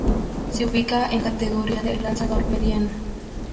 Se ubica en la categoría de lanzador mediano.